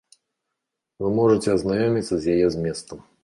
Вы можаце азнаёміцца з яе зместам.